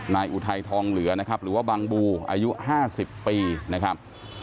อุทัยทองเหลือนะครับหรือว่าบังบูอายุ๕๐ปีนะครับ